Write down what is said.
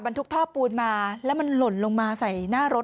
ทุกท่อปูนมาแล้วมันหล่นลงมาใส่หน้ารถ